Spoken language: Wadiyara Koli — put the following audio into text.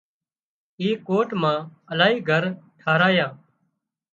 اي ڪوٽ مان الاهي گھر ٺاهرايان